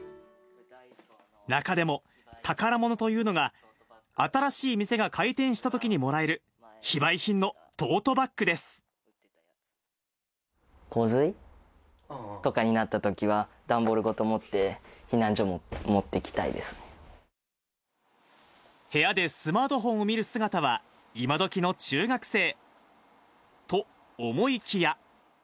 中でも、宝物というのが、新しい店が開店したときにもらえる、洪水とかになったときには、段ボールごと持って、部屋でスマートフォンを見る姿は、今どきの中学生。と思いきや。